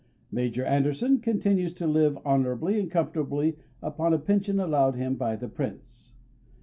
Major Anderson continues to live honourably and comfortably upon a pension allowed him by the Prince.